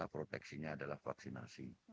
proteksinya adalah vaksinasi